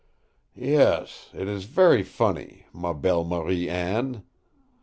"Yes, it is very funny, ma belle Marie Anne!